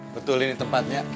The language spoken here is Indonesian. betul ini tempatnya